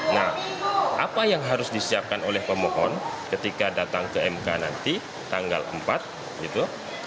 nah apa yang harus disiapkan oleh pemohon ketika datang ke mk nanti tanggal empat gitu